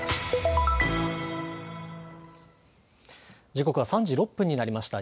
時刻は３時６分になりました。